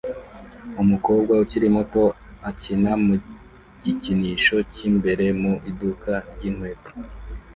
Umukobwa ukiri muto akina mu gikinisho cyimbere mu iduka ryinkweto